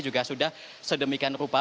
juga sudah sedemikian rupa